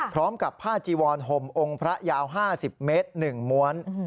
พร้อมกับผ้าจีวรห่มองค์พระยาว๕๐เมตร๑ม้วน